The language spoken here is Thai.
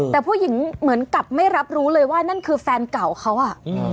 แต่ผู้หญิงเหมือนกับไม่รับรู้เลยว่านั่นคือแฟนเก่าเขาอ่ะ